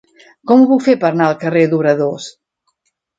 Com ho puc fer per anar al carrer d'Obradors?